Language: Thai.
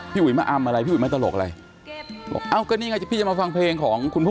พี่หวยจะมาตลก